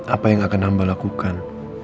apa yang akan hamba lakukan